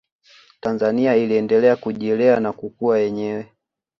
tanzania iliendelea kujilea na kukua yenyewe